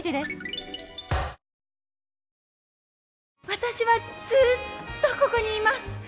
私はずっとここにいます。